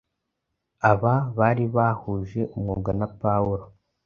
Aba “bari bahuje umwuga na Pawulo.”